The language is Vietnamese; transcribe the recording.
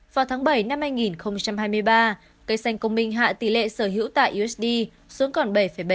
vào tháng bảy năm hai nghìn hai mươi ba cây xanh công minh hạ tỷ lệ sở hữu tại usd xuống còn bảy bảy